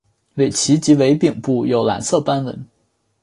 尾鳍及尾柄部有蓝色斑纹。